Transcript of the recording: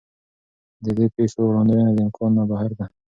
د دې پېښو وړاندوینه د امکان نه بهر ده.